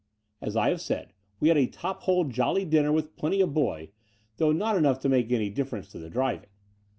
As I have said, we had a top hole jolly dinner with plenty of boy, though not enough to make any difference to the driving.